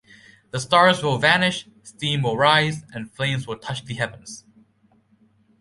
The stars will vanish, steam will rise, and flames will touch the heavens.